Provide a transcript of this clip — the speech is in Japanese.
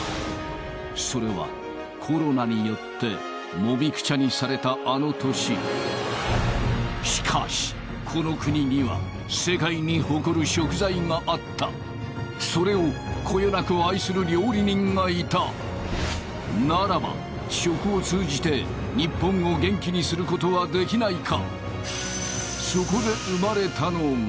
それはコロナによってもみくちゃにされたあの年しかしこの国には世界に誇る食材があったそれをこよなく愛する料理人がいたならば食を通じて日本を元気にすることはできないか